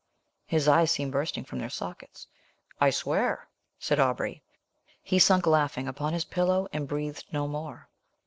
" His eyes seemed bursting from their sockets: "I swear!" said Aubrey; he sunk laughing upon his pillow, and breathed no more.